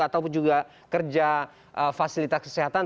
ataupun juga kerja fasilitas kesehatan